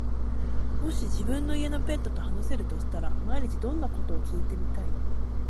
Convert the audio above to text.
もし自分の家のペットと話せるとしたら、毎日どんなことを聞いてみたい？